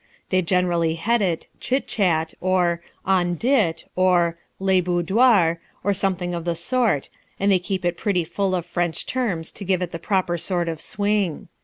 They generally head it "Chit Chat," or "On Dit," or "Le Boudoir," or something of the sort, and they keep it pretty full of French terms to give it the proper sort of swing.